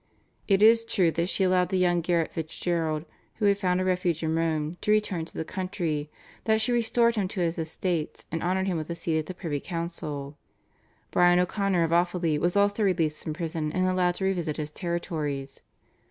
It is true that she allowed the young Garrett Fitzgerald, who had found a refuge in Rome, to return to the country, that she restored to him his estates and honoured him with a seat at the privy council. Brian O'Connor of Offaly was also released from prison and allowed to revisit his territories.